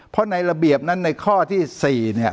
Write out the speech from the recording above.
เพราะในระเบียบนั้นในข้อที่๔เนี่ย